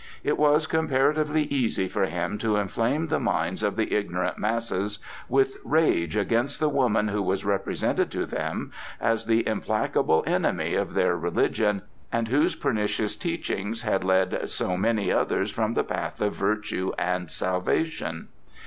It was comparatively easy for him to inflame the minds of the ignorant masses with rage against the woman who was represented to them as the implacable enemy of their religion, and whose pernicious teachings had led so many others from the path of virtue and salvation.